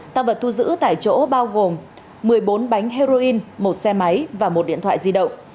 tăng vật thu giữ tại chỗ bao gồm một mươi bốn bánh heroin một xe máy và một điện thoại di động